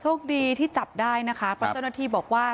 โชคดีที่จับได้นะคะเพราะเจ้าหน้าที่บอกว่า